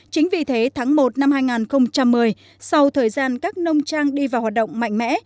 chính vì thế tháng một năm hai nghìn một mươi sau thời gian các nông trang đi vào hoạt động mạnh mẽ